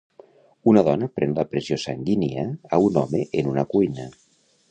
Una dona pren la pressió sanguínia a un home en una cuina.